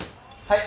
はい。